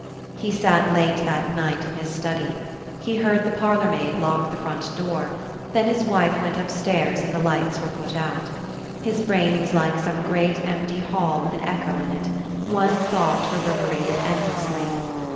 He sat late that night in his study. He heard the parlor maid lock the front door; then his wife went upstairs and the lights were put out. His brain was like some great empty hall with an echo in it; one thought reverberated endlessly....